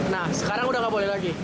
nah sekarang udah nggak boleh lagi